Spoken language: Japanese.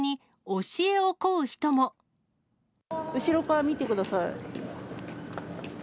後ろから見てください。